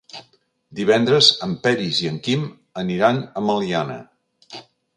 Divendres en Peris i en Quim aniran a Meliana.